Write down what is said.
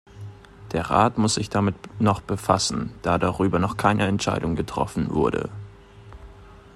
Der Rat muss sich damit noch befassen, da darüber noch keine Entscheidung getroffen wurde.